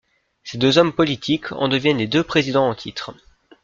Ces deux hommes politiques en deviennent les deux présidents en titre.